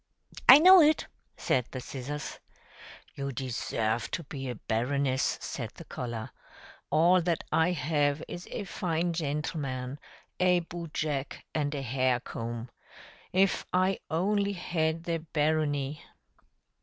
"I know it," said the scissors. "You deserve to be a baroness," said the collar. "All that I have is a fine gentleman, a boot jack, and a hair comb. If I only had the barony!"